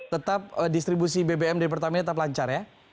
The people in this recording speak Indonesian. tetap distribusi bbm dari pertamina tetap lancar ya